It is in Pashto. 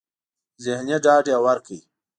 ذهني ډاډ يې ورکړ.